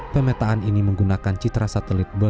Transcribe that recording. pemetaan ini menggunakan citra satelit berbeda